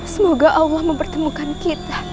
semoga allah mempertemukan kita